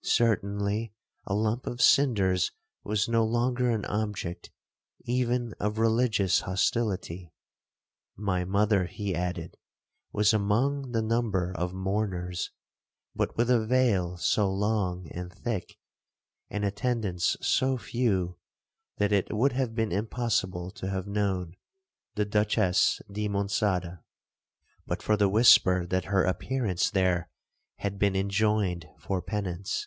Certainly a lump of cinders was no longer an object even of religious hostility. My mother, he added, was among the number of mourners, but with a veil so long and thick, and attendance so few, that it would have been impossible to have known the Duchess di Monçada, but for the whisper that her appearance there had been enjoined for penance.